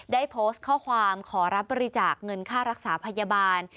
ได้โพสต์ข้อความขอรับบริจาคเงินค่ารักษาพยาบาล